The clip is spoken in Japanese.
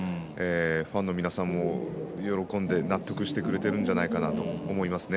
ファンの皆さんも喜んで納得してくれてるんじゃないかなと思いますね。